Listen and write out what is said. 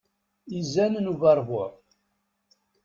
Izan n uberbur.